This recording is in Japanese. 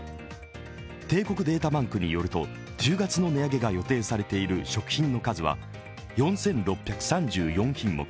帝国データバンクによると１０月の値上げが予定されている食品の数は４６３４品目。